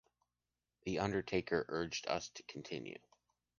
The undertaker urged us to continue.